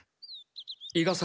伊賀崎